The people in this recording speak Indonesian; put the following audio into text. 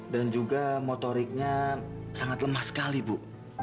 dan juga motoriknya sangat lemah sekali bu